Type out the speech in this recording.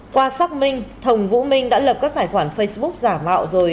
qua xác minh thồng vũ minh đã lập các tài khoản facebook giả mạo rồi